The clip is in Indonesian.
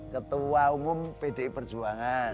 ketua umum pdi perjuangan